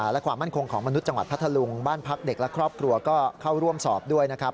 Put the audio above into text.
และความมั่นคงของมนุษย์จังหวัดพัทธลุงบ้านพักเด็กและครอบครัวก็เข้าร่วมสอบด้วยนะครับ